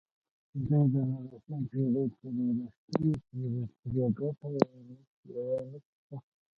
دوی د نولسمې پېړۍ تر وروستیو پورې ترې ګټه وانخیسته.